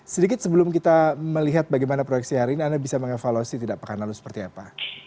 sedikit sebelum kita melihat bagaimana proyeksi hari ini anda bisa mengevaluasi tidak pekan lalu seperti apa